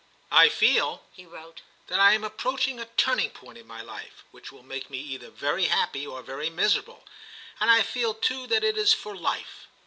* I feel/ he wrote, * that I am approaching a turning point in my life, which will make me either very happy or very miserable ; and I feel too that it is for life.